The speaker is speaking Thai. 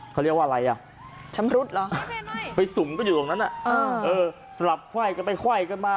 เขาเรียกว่าอะไรอ่ะชำรุดเหรอไปสุ่มก็อยู่ตรงนั้นสลับไขว้กันไปไขว้กันมา